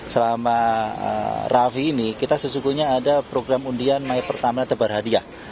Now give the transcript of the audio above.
selama rafi ini kita sesungguhnya ada program undian maya pertama tebar hadiah